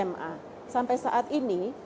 ma sampai saat ini